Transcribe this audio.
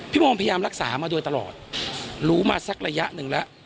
บอมพยายามรักษามาโดยตลอดรู้มาสักระยะหนึ่งแล้ว